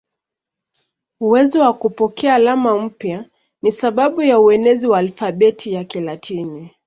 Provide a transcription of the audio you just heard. Uwezo wa kupokea alama mpya ni sababu ya uenezi wa alfabeti ya Kilatini.